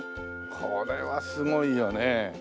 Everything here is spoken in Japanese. これはすごいよね！